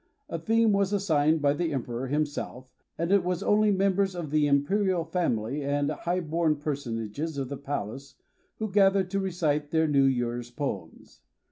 A theme was assigned by the emperor himself, and it was only members of the imperial family and highborn per sonages of the palace, who gathered to recite their New Year's poems.